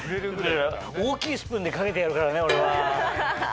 大きいスプーンでかけてやるからね俺は。